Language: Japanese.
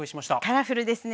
カラフルですね。